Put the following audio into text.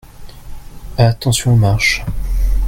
Attention aux marches.